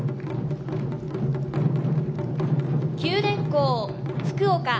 九電工、福岡。